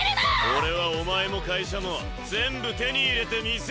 俺はお前も会社も全部手に入れてみせるぞ。